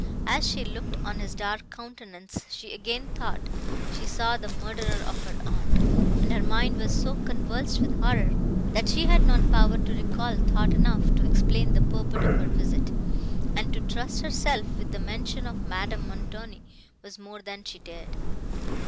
As she looked on his dark countenance, she again thought she saw the murderer of her aunt; and her mind was so convulsed with horror, that she had not power to recall thought enough to explain the purport of her visit; and to trust herself with the mention of Madame Montoni was more than she dared.